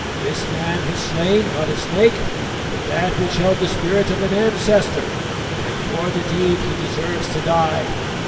This man has slain, not a snake, but that which held the spirit of an ancestor, and for the deed he deserves to die.